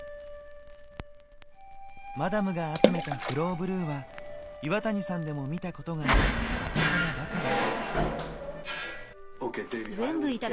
マダムが集めたフローブルーは岩谷さんでも見たことがないお宝ばかり。